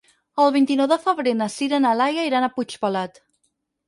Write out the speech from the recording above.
El vint-i-nou de febrer na Sira i na Laia iran a Puigpelat.